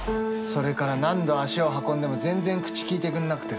それから何度足を運んでも全然口きいてくんなくてさ。